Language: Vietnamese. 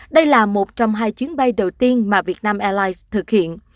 đây là một trong hai chuyến bay đầu tiên mà việt nam airlines thực hiện